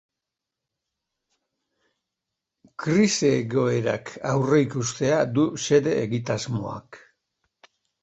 Krisi egoerak aurreikustea du xede egitasmoak.